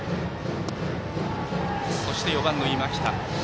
そして４番の今北。